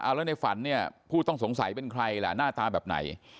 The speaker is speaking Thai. แล้วในฝันเนี่ยผู้ต้องสงสัยเป็นใครล่ะหน้าตาแบบไหน